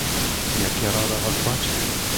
Як я рада вас бачити!